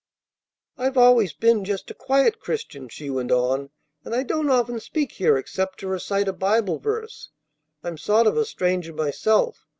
"I've always been just a quiet Christian," she went on; "and I don't often speak here except to recite a Bible verse. I'm sort of a stranger myself.